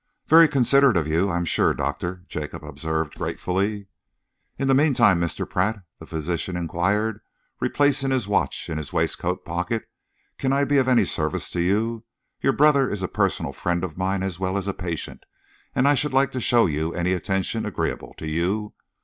"Very considerate of you, I am sure, Doctor," Jacob observed gratefully. "In the meantime, Mr. Pratt," the physician enquired, replacing his watch in his waistcoat pocket, "can I be of any service to you? Your brother is a personal friend of mine as well as a patient, and I should like to show you any attention agreeable to you.